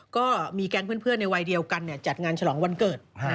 ก็มีแก๊งเพื่อนในวัยเดียวกันจัดงานฉลองวันเกิด